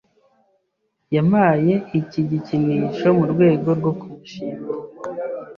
Yampaye iki gikinisho mu rwego rwo kumushimira.